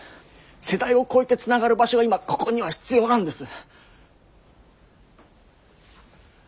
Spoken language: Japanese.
世代を超えてつながる場所が今ここには必要なんです。